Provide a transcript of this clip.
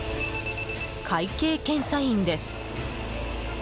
会計検査院です。